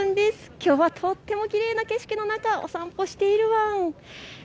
きょうはとてもきれいな景色の中、お散歩しています。